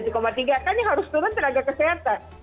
kan yang harus turun tenaga kesehatan